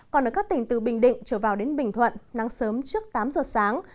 còn ở các tỉnh từ bình định trở vào đến bình thuận nắng sớm trước tám giờ sáng